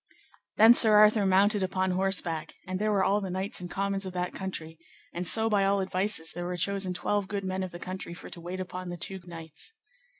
Then Sir Arthur mounted upon horseback, and there were all the knights and commons of that country; and so by all advices there were chosen twelve good men of the country for to wait upon the two knights.